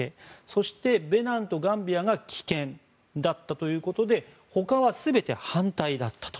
そして、ベナンとガンビアが棄権だったということでほかは全て反対だったと。